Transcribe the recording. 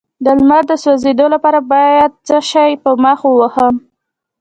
د لمر د سوځیدو لپاره باید څه شی په مخ ووهم؟